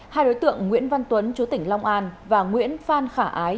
hai đối tượng nguyễn văn tuấn chú tỉnh long an và nguyễn phan khả ái